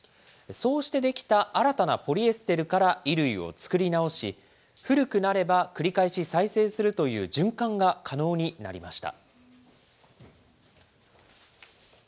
そうして出来た新たなポリエステルから衣類を作り直し、古くなれば繰り返し再生するという循環が可能になりました。